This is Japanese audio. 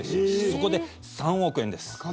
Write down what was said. そこで３億円です。